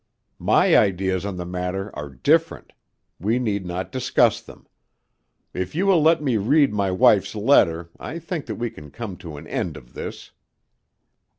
"My ideas on the matter are different. We need not discuss them. If you will let me read my wife's letter, I think that we can come to an end of this."